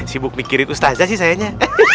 sibuk mikirin ustazah sih sayangnya